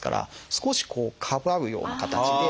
少しこうかばうような形で。